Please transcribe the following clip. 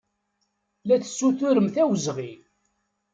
La tessuturemt awezɣi.